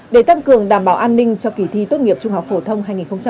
để tăng cường đảm bảo an ninh cho kỳ thi tốt nghiệp trung học phổ thông hai nghìn hai mươi